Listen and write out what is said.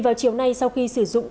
vào chiều nay sau khi sử dụng